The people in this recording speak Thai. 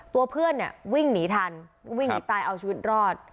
ตัวเพื่อนเนี่ยวิ่งหนีทันวิ่งหนีตายเอาชีวิตรอด